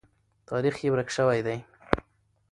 تاریخ یې ورک سوی دی.